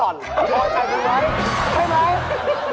ปลอดภัยวิวให้